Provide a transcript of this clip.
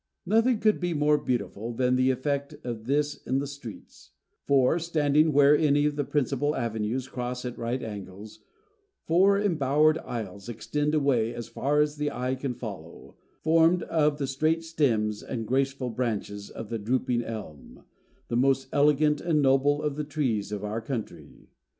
Nothing could be more beautiful than the effect of this in the streets; for, standing where any of the principal avenues cross at right angles, four embowered aisles extend away as far as the eye can follow, formed of the straight stems and graceful branches of the drooping elm, the most elegant and noble of the trees of our country.